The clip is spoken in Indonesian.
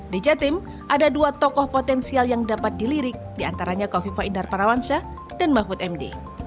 di jatim ada dua tokoh potensial yang dapat dilirik diantaranya kofifa indar parawansyah dan mahfud md